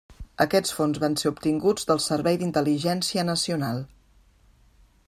Aquests fons van ser obtinguts del Servei d'Intel·ligència Nacional.